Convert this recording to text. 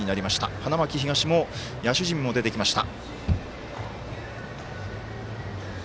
花巻東も野手陣も出てきました。